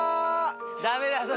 ダメだぞ！